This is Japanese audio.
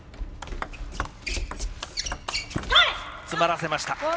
詰まらせました。